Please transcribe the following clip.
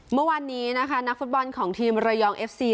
เมื่อวานนี้นะคะนักฟุตบอลของทีมระยองเอฟซี